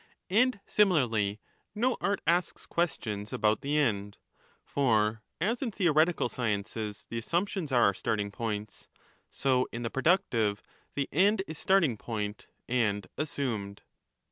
And similarly no art asks questions about the end ; for as in theoretical sciences the assumptions are our starting points, so in the productive the end is starting point and assumed.